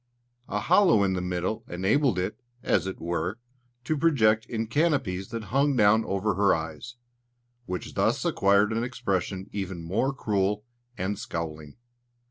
A hollow in the middle enabled it, as it were, to project in canopies that hung down over her eyes, which thus acquired an expression even more cruel and scowling.